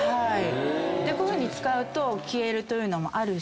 こういうふうに使うと消えるというのもあるし。